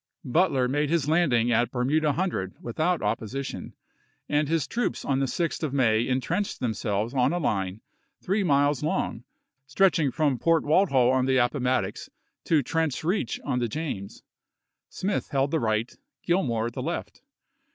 Butler made his lauding at Bermuda Hundred without opposition, and his troops on the 6th of May intrenched themselves on a line tkree miles i864. long, stretching from Port Walthall on the Appo mattox to Trent's Eeach on the James ; Smith held the right, Gillmore the left.